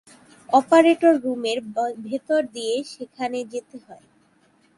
Operator রুমের ভেতর দিয়ে সেখানে যেতে হতো।